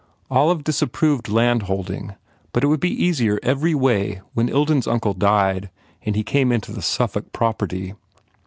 Olive disapproved landholding but it would be easier every way when Ilden s uncle died and he came into the Suffolk property.